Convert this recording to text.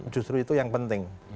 justru itu yang penting